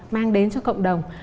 mang đến cho cộng đồng